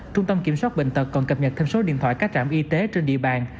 trung tâm kiểm soát bệnh tật còn cập nhật thêm số điện thoại các trạm y tế trên địa bàn